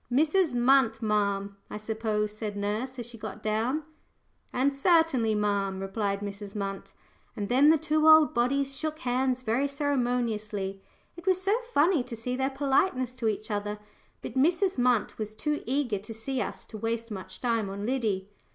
"Mrs. Munt, ma'am, I suppose?" said nurse as she got down. And, "Certainly, ma'am," replied Mrs. Munt, and then the two old bodies shook hands very ceremoniously. It was so funny to see their politeness to each other. But Mrs. Munt was too eager to see us to waste much time on Liddy.